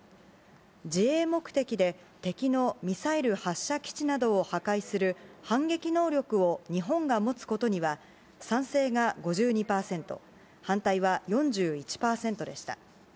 自衛目的で敵のミサイル発射基地などを破壊する反撃能力を日本が持つことには賛成が５２％、反対は４１％でした。